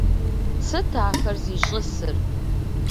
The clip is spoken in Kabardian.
Сыт ахэр зищӀысыр?